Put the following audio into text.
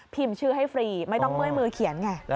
ชื่อให้ฟรีไม่ต้องเมื่อยมือเขียนไง